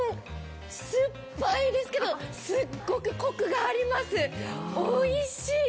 すっぱいですけど、すっごくコクがあります、おいしい！